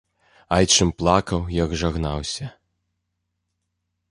Айчым плакаў, як жагнаўся.